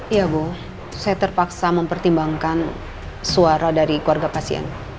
iya bu saya terpaksa mempertimbangkan suara dari keluarga pasien